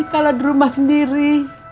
kalau di rumah sendiri